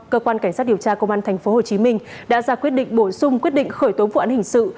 cơ quan cảnh sát điều tra công an tp hcm đã ra quyết định bổ sung quyết định khởi tố vụ án hình sự